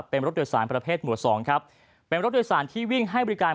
เป็นรถโดยสารประเภทหมวดสองครับเป็นรถโดยสารที่วิ่งให้บริการ